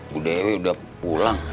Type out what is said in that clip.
bu dewi udah pulang